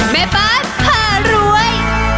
แม่บ้านผ่ารวย